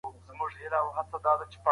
د بشر حقوق بايد تر پښو لاندي نه سي.